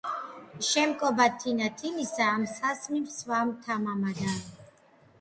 შემკობად თინათინისა ამ სასმისს ვსვამ თამამადა,